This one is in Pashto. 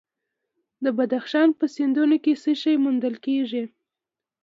د بدخشان په سیندونو کې څه شی موندل کیږي؟